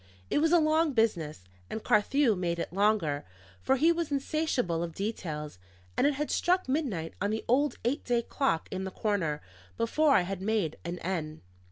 It was a long business; and Carthew made it longer, for he was insatiable of details; and it had struck midnight on the old eight day clock in the corner, before I had made an end.